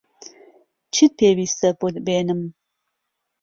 چیت پێویستە بۆت بێنم؟